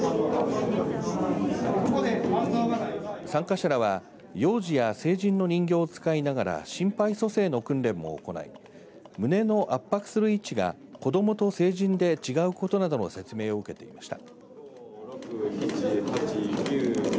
参加者らは幼児や成人の人形を使いながら心肺蘇生の訓練も行い胸の圧迫する位置が子どもと成人で違うことなどの説明を受けていました。